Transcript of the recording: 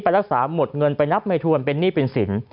รักษาหมดเงินไปนับไม่ทวนเป็นหนี้เป็นสิน